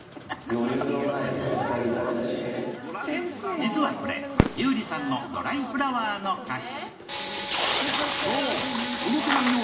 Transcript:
実はこれ、優里さんの「ドライフラワー」の歌詞。